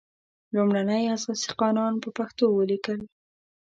لومړنی اساسي قانون په پښتو ولیکل.